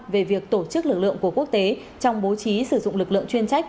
về việc tổ chức lực lượng của quốc tế trong bố trí sử dụng lực lượng chuyên trách